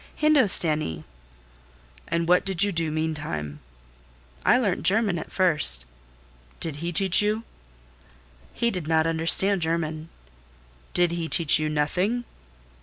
"Hindostanee." "And what did you do meantime?" "I learnt German, at first." "Did he teach you?" "He did not understand German." "Did he teach you nothing?"